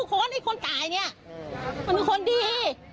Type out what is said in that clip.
เพราะว่านี่คนตายเนี้ยมันเป็นคนดี